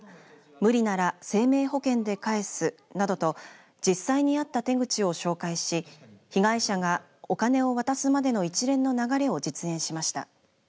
無理なら生命保険で返すなどと実際にあった手口を紹介し被害者がお金を渡すまでの一連の流れを実演しました。